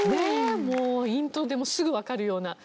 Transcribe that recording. もうイントロですぐわかるような。